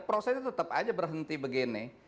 prosesnya tetap aja berhenti begini